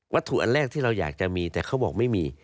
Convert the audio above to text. ถูกอันแรกที่เราอยากจะมีแต่เขาบอกไม่มี